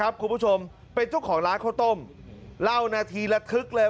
เป็นเจ้าของร้านโค้ตมเล่านาทีและทึกเลย